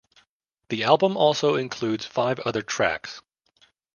The album also includes five other tracks.